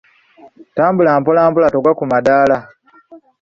Tambula mpola mpola togwa ku madaala.